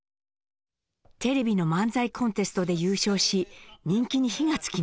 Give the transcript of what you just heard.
テレビの漫才コンテストで優勝し人気に火が付きました。